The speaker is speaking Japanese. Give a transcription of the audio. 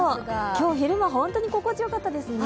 今日、昼間本当に心地よかったですね。